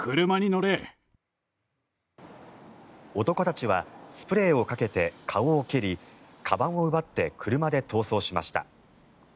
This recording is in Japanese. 男たちはスプレーをかけて顔を蹴りかばんを奪って車で逃走しました。